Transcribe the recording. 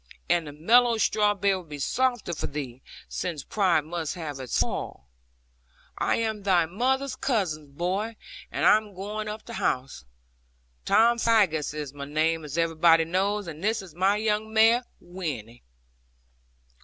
And the mellow straw bed will be softer for thee, since pride must have its fall. I am thy mother's cousin, boy, and am going up to house. Tom Faggus is my name, as everybody knows; and this is my young mare, Winnie.'